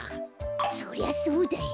そりゃそうだよ。